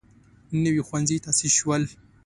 نوي ښوونځي تاسیس شول.